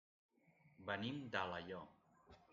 Venim d'Alaior.